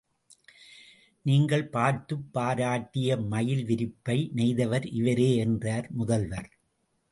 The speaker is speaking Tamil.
நீங்கள் பார்த்துப் பாராட்டிய மயில் விரிப்பை நெய்தவர் இவரே என்றார் முதல்வர்.